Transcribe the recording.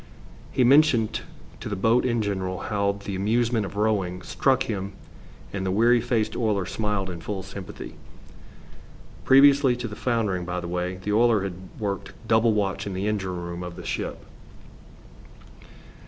He mentioned to the boat in general how the amusement of rowing struck him, and the weary faced oiler smiled in full sympathy. Previously to the foundering, by the way, the oiler had worked double watch in the engine room of the ship.